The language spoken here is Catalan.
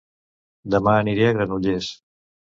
Dema aniré a Granollers